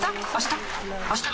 あした？